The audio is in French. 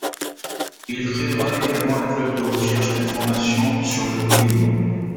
Il créera également un club de recherche et d'information sur le Briennois.